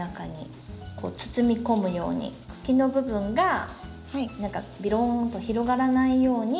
こう包み込むように茎の部分が何かビローンと広がらないように。